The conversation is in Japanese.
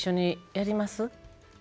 やります？